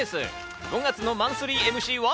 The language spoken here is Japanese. ５月のマンスリーＭＣは。